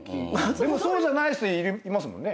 でもそうじゃない人いますもんね。